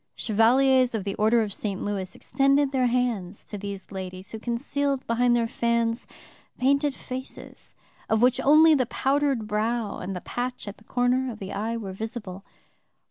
Chevaliers of the Order of St. Louis extended their hands to these ladies, who concealed behind their fans painted faces, of which only the powdered brow and the patch at the corner of the eye were visible!